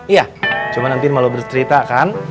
iya cuma nanti mau lo bercerita kan